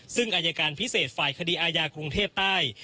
ซึ่งอายการพิเศษฝ่ายคดีอาญากรุงเทพใต้